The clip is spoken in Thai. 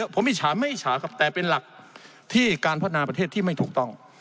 ผมอิจฉาไม่อิจฉาครับแต่เป็นหลักที่การพัฒนาประเทศที่ไม่ถูกต้อง